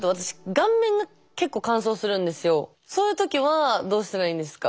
そういう時はどうしたらいいんですか？